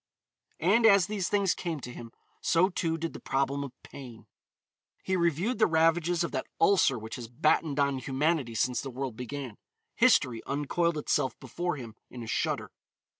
And, as these things came to him, so, too, did the problem of pain. He reviewed the ravages of that ulcer which has battened on humanity since the world began. History uncoiled itself before him in a shudder.